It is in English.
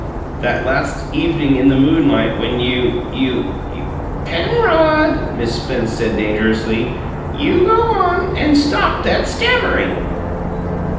"'That last evening in the moonlight when you you you '" "Penrod," Miss Spence said dangerously, "you go on, and stop that stammering."